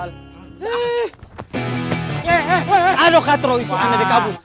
eh eh aduh katero itu anak dikabul